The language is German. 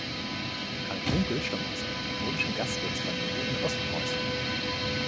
Karl Kunkel stammt aus einer katholischen Gastwirtsfamilie in Ostpreußen.